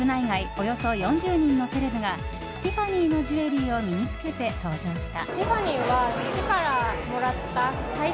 およそ４０人のセレブがティファニーのジュエリーを身に着けて登場した。